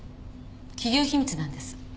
企業秘密なんです。